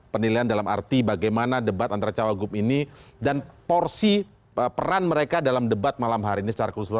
penilaian dalam arti bagaimana debat antara cawagup ini dan porsi peran mereka dalam debat malam hari ini secara keseluruhan